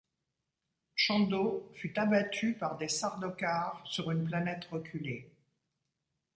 Shando fut abattue par des Sardaukars sur une planète reculée.